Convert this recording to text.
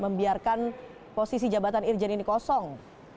membiarkan posisi jabatan irjen ini kosong